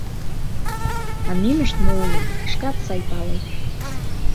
А нинышт мо улыт — шкат сай палет.